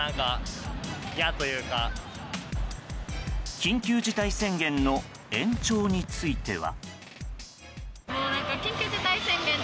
緊急事態宣言の延長については。